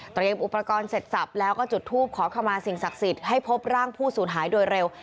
อุปกรณ์เสร็จสับแล้วก็จุดทูปขอขมาสิ่งศักดิ์สิทธิ์ให้พบร่างผู้สูญหายโดยเร็ว